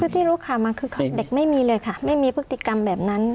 คือที่รู้ข่าวมาคือเด็กไม่มีเลยค่ะไม่มีพฤติกรรมแบบนั้น